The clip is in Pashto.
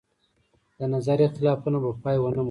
د نظر اختلافونه به پای ونه مومي.